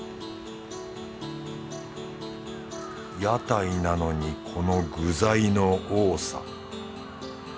屋台なのにこの具材の多さ